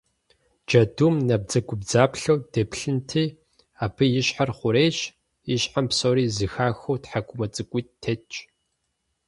Джэдум набдзэгубдзаплъэу деплъынти, абы и щхьэр хъурейщ, и щхьэм псори зэхахыу тхьэкӏумэ цӏыкӏуитӏ тетщ.